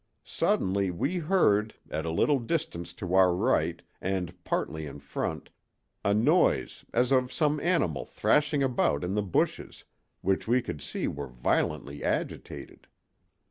Suddenly we heard, at a little distance to our right and partly in front, a noise as of some animal thrashing about in the bushes, which we could see were violently agitated.